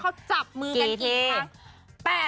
เขาจับมือกันอีกทั้ง๘ที